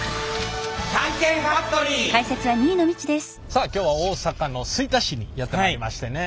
さあ今日は大阪の吹田市にやって参りましてね。